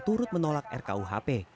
turut menolak rkuhp